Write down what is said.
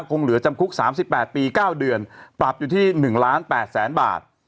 คงเหลือจำคุก๓๘ปี๙เดือนปรับอยู่ที่๑ล้าน๘แสนบาท